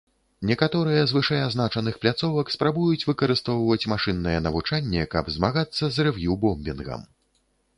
Некаторыя з вышэазначаных пляцовак спрабуюць выкарыстоўваць машыннае навучанне, каб змагацца з рэв'ю-бомбінгам.